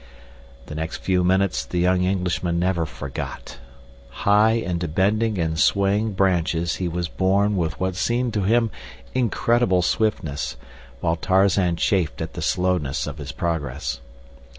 The next few minutes the young Englishman never forgot. High into bending and swaying branches he was borne with what seemed to him incredible swiftness, while Tarzan chafed at the slowness of his progress.